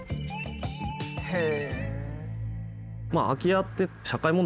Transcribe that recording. へえ！